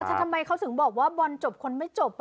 ทำไมเขาถึงบอกว่าบอลจบคนไม่จบ